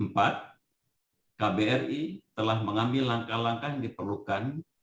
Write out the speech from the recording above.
kbri telah mengambil langkah langkah yang diperlukan